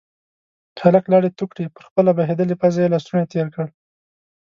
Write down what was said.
هلک لاړې تو کړې، پر خپله بهيدلې پزه يې لستوڼی تير کړ.